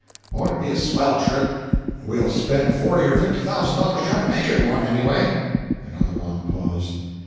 "Won't it be a swell trip!" "We'll spend forty or fifty thousand dollars trying to make it one, anyway." Another long pause.